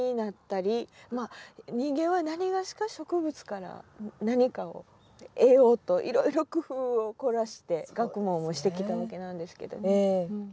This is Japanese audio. まあ人間は何がしか植物から何かを得ようといろいろ工夫を凝らして学問をしてきたわけなんですけどね。